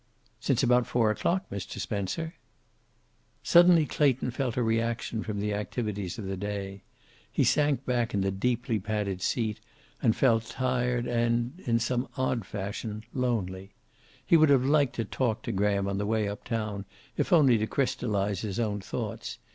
"Since about four o'clock, Mr. Spencer." Suddenly Clayton felt a reaction from the activities of the day. He sank back in the deeply padded seat, and felt tired and in some odd fashion lonely. He would have liked to talk to Graham on the way up town, if only to crystallize his own thoughts.